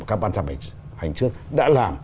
các ban trạm hành trước đã làm